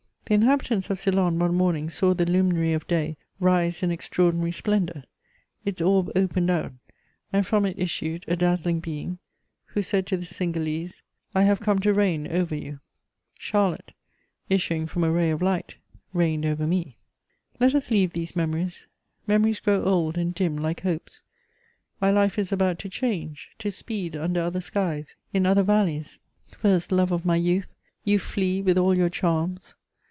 The inhabitants of Ceylon one morning saw the luminary of day rise in extraordinary splendour; its orb opened out, and from it issued a dazzling being, who said to the Cingalese: "I have come to reign over you." Charlotte, issuing from a ray of light, reigned over me. Let us leave these memories; memories grow old and dim like hopes. My life is about to change, to speed under other skies, in other valleys. First love of my youth, you flee with all your charms!